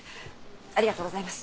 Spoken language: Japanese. ありがとうございます。